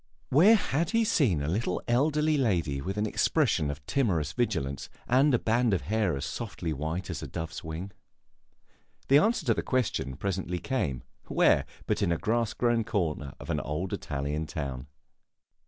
Where had he seen a little elderly lady with an expression of timorous vigilance, and a band of hair as softly white as a dove's wing? The answer to the question presently came Where but in a grass grown corner of an old Italian town?